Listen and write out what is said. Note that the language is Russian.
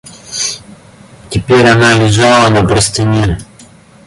Теперь она лежала на простыне.